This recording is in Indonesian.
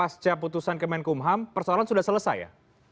setiap putusan kemenkum ham persoalan sudah selesai ya